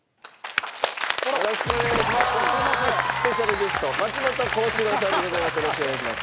ゲスト松本幸四郎さんでございます。